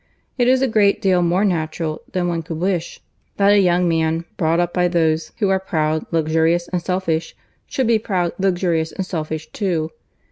It is a great deal more natural than one could wish, that a young man, brought up by those who are proud, luxurious, and selfish, should be proud, luxurious, and selfish too.